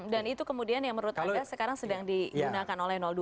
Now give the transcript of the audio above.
dan itu kemudian yang menurut anda sekarang sedang digunakan oleh dua